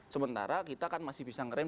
sementara kita kan masih bisa ngerem